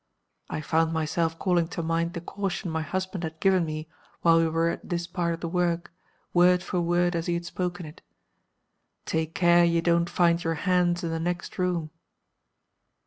I found myself calling to mind the caution my husband had given me while we were at this part of the work, word for word as he had spoken it. _'Take care you don't find your hands in the next room.